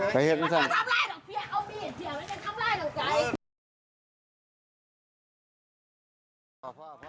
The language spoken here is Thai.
ไปที่นี่ซัก